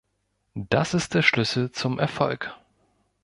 Das ist der Schlüssel zum Erfolg.